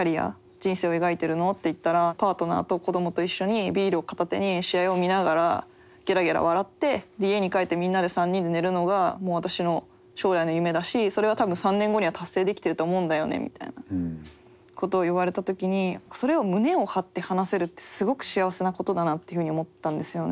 人生を描いてるの？って言ったらパートナーと子供と一緒にビールを片手に試合を見ながらゲラゲラ笑って家に帰ってみんなで３人で寝るのがもう私の将来の夢だしそれは多分３年後には達成できてると思うんだよねみたいなことを言われた時にそれを胸を張って話せるってすごく幸せなことだなっていうふうに思ったんですよね。